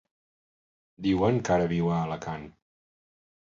Diuen que ara viu a Alacant.